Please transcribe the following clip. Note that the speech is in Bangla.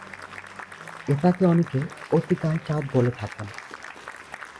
এটাকে অনেকে অতিকায় চাঁদ বলে থাকেন।